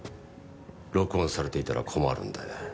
録音されていたら困るのでね。